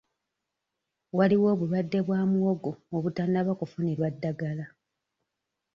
Waliwo obulwadde bwa muwogo obutannaba kufunirwa ddagala.